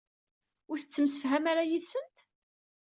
Ur tettemsefham ara yid-sent?